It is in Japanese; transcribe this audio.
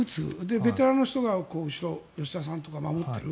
ベテランの人が後ろ吉田さんとかが守っている。